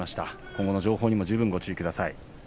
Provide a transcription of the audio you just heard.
今後の情報にご注意ください。